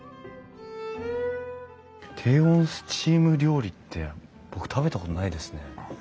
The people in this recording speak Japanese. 低温スチーム料理って僕食べたことないですね。